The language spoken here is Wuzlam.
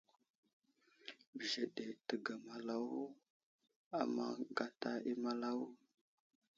Bəzeɗe təgamalawo a maŋ gata i malawo.